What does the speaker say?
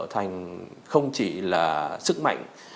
nó trở thành không chỉ là sức mạnh